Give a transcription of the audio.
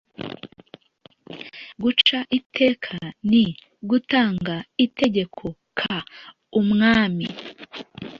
Guca iteka ni Gutanga itegeko k umwami